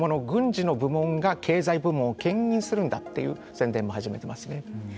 軍事の部門が経済部門を兼任するんだという宣伝も始めてますね。